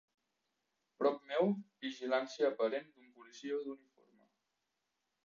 Prop meu, vigilància aparent d'un policia d'uniforme.